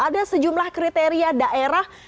ada sejumlah kriteria daerah